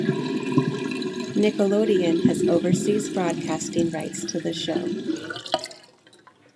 Nickelodeon has overseas broadcasting rights to the show.